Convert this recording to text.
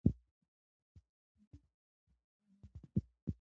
او کاميابي تر لاسه کړې ده.